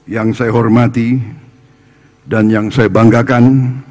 yang saya hormati dan yang saya banggakan